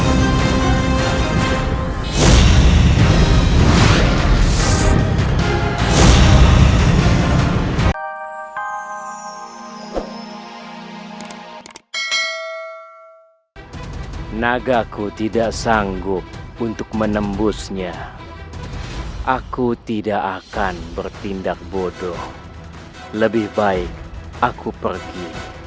hai nagaku tidak sanggup untuk menembusnya aku tidak akan bertindak bodoh lebih baik aku pergi